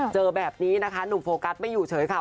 เจอแบบนี้นะคะหนุ่มโฟกัสไม่อยู่เฉยค่ะ